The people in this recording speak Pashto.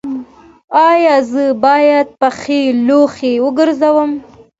ایا زه باید پښې لوڅې وګرځم؟